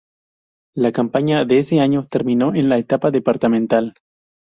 La campaña de ese año terminó en la etapa departamental.